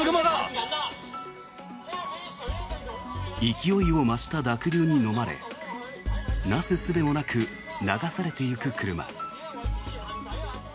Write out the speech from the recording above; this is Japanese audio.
勢いを増した濁流にのまれなすすべもなく流されていく車。